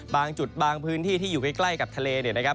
บางจุดบางพื้นที่ที่อยู่ใกล้กับทะเลเนี่ยนะครับ